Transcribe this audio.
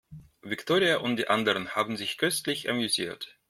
Viktoria und die anderen haben sich köstlich amüsiert.